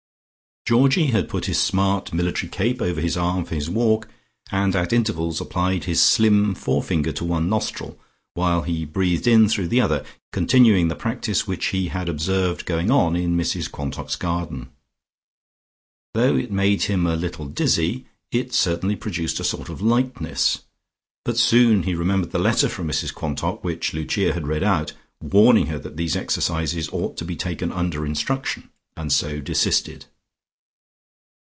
Georgie had put his smart military cape over his arm for his walk, and at intervals applied his slim forefinger to one nostril, while he breathed in through the other, continuing the practice which he had observed going on in Mrs Quantock's garden. Though it made him a little dizzy, it certainly produced a sort of lightness, but soon he remembered the letter from Mrs Quantock which Lucia had read out, warning her that these exercises ought to be taken under instruction, and so desisted.